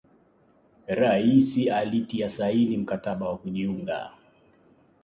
Rais alitia saini mkataba wa kujiunga